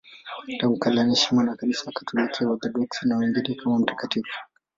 Tangu kale anaheshimiwa na Kanisa Katoliki, Waorthodoksi na wengineo kama mtakatifu.